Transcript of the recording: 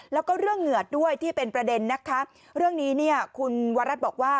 แล้วก็เรื่องเหงื่อด้วยที่เป็นประเด็นนะคะเรื่องนี้เนี่ยคุณวารัฐบอกว่า